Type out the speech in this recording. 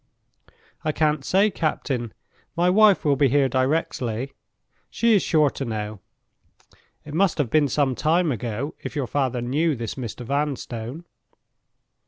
"I can't say, captain. My wife will be here directly; she is sure to know. It must have been some time ago, if your father knew this Mr. Vanstone?"